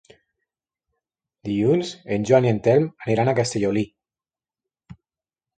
Dilluns en Joan i en Telm aniran a Castellolí.